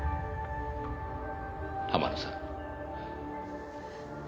浜野さん。